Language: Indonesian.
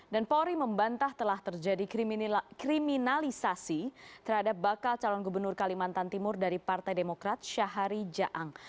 dan polri membantah telah terjadi kriminalisasi terhadap bakal calon gubernur kalimantan timur dari partai demokrat syahari jaang